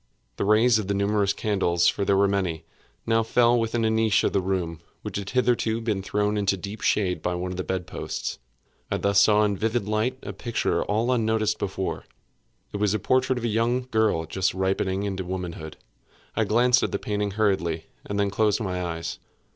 The rays of the numerous candles (for there were many) now fell within a niche of the room which had hitherto been thrown into deep shade by one of the bed posts. I thus saw in vivid light a picture all unnoticed before. It was the portrait of a young girl just ripening into womanhood. I glanced at the painting hurriedly, and then closed my eyes.